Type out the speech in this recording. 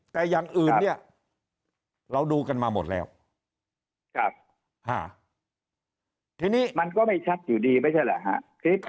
แต่อย่างอื่นเนี่ยเราดูกันมาหมดแล้วครับทีนี้มันก็ไม่ชัดอยู่ดีไม่ใช่แหละฮะ